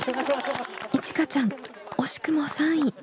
いちかちゃん惜しくも３位。